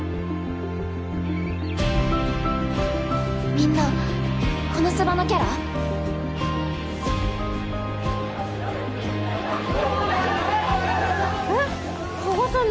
みんな『このすば』のキャラ⁉えっ加賀さん